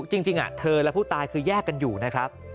จริงเธอและผู้ตายคือแยกกันอยู่นะครับ